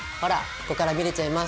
ここから見れちゃいます。